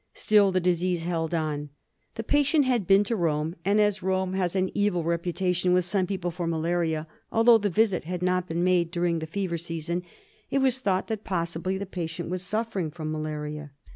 Still the disease held on. The patient had been to Rome; and as Rome has ah evil reputation with some people for malaria, although the visit had not been made during the fever season it was thought that possibly the patient was suffering from malaria.